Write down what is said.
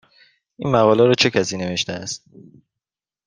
این مقاله را چه کسی نوشته است؟